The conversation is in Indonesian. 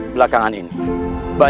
maa kasih ilmi di dalam